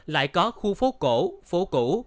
lại có khu phố cổ phố cũ